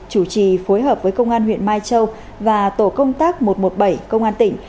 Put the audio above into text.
chủ trì phối hợp với công an huyện mai châu và tổ công tác một trăm một mươi bảy công an tỉnh